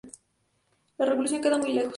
La revolución queda muy lejos.